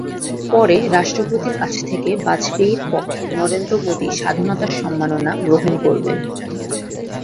পরে রাষ্ট্রপতির কাছ থেকে বাজপেয়ির পক্ষে নরেন্দ্র মোদি স্বাধীনতা সম্মাননা গ্রহণ করবেন।